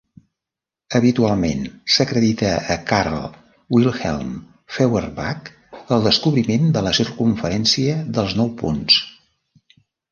Habitualment s'acredita a Karl Wilhelm Feuerbach el descobriment de la circumferència dels nou punts.